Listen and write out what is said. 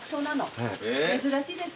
珍しいですから。